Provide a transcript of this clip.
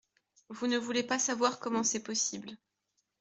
Vous ne voulez pas savoir comment c’est possible.